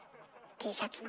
Ｔシャツの。